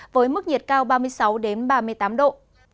với mức nhiệt cao ba mươi sáu ba mươi tám độ